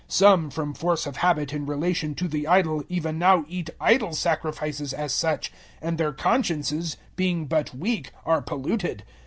Some, from force of habit in relation to the idol, even now eat idol sacrifices as such, and their consciences, being but weak, are polluted.